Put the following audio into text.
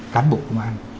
cán bộ công an